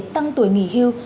tăng tuổi nghỉ hưu